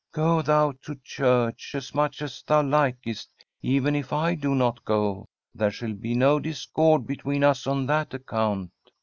* Go thou to church as mtfch as thou likest, even if I do not go. There shall be no discord between us on that account.'